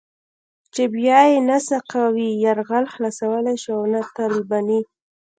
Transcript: چې بيا يې نه سقوي يرغل خلاصولای شي او نه طالباني.